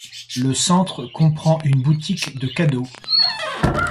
Le Centre comprend une boutique de cadeaux.